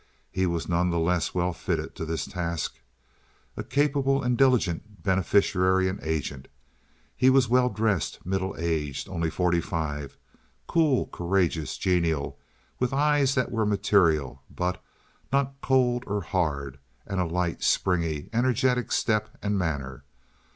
He was none the less well fitted to his task, a capable and diligent beneficiary and agent. He was well dressed, middle aged,—only forty five—cool, courageous, genial, with eyes that were material, but not cold or hard, and a light, springy, energetic step and manner.